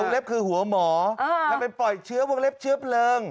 เล็บคือหัวหมอทำไมปล่อยเชื้อวงเล็บเชื้อเพลิง